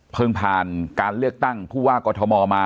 ผ่านการเลือกตั้งผู้ว่ากอทมมา